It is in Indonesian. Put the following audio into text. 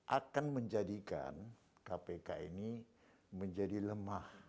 akan menjadikan kpk ini menjadi lemah